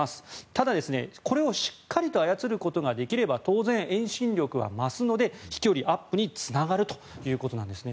ただ、これをしっかりと操ることができれば当然、遠心力は増すので飛距離アップにつながるということなんですね。